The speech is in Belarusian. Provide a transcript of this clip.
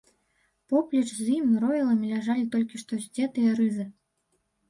Поплеч з ім роілам ляжалі толькі што здзетыя рызы.